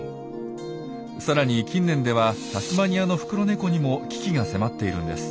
さらに近年ではタスマニアのフクロネコにも危機が迫っているんです。